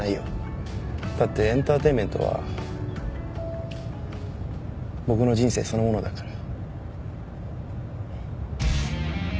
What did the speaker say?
だってエンターテインメントは僕の人生そのものだから。